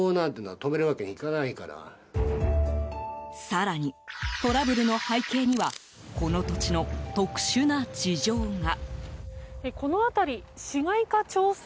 更にトラブルの背景にはこの土地の特殊な事情が。